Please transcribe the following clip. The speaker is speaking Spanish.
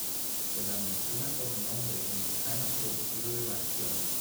Se la menciona por nombre en el canon reducido de Marción.